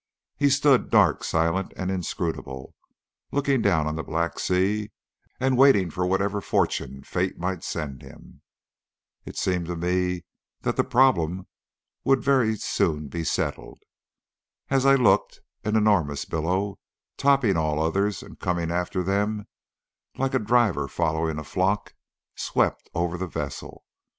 He stood, dark, silent, and inscrutable, looking down on the black sea, and waiting for whatever fortune Fate might send him. It seemed to me that that problem would very soon be settled. As I looked, an enormous billow, topping all the others, and coming after them, like a driver following a flock, swept over the vessel.